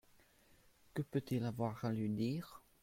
Que peut-il avoir à lui dire ?